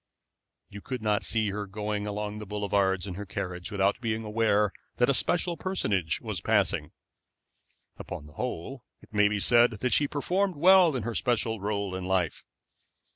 You could not see her going along the boulevards in her carriage without being aware that a special personage was passing. Upon the whole, it may be said that she performed well her special role in life.